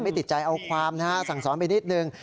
ติดใจเอาความนะฮะสั่งสอนไปนิดนึง